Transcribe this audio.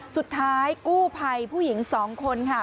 สุดท้ายกู้ภัยผู้หญิง๒คนค่ะ